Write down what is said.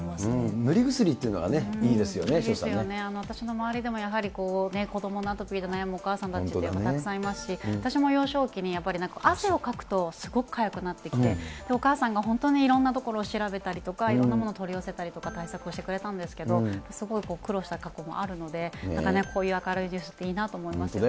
塗り薬っていうのがいいですいいですよね、私の周りでも子どものアトピーで悩むお母さんたち、やっぱたくさんいますし、私も幼少期にやっぱり汗をかくと、すごくかゆくなってきて、お母さんが本当にいろんなところを調べたりとか、いろいろなものを取り寄せたりとか対策をしてくれたんですけれども、すごい苦労したこともあるので、なんかね、こういう明るいニ本当だよね。